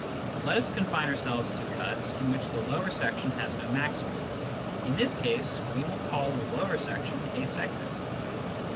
Let us confine ourselves to cuts in which the lower section has no maximum ; in this case we will call the lower section a " segment."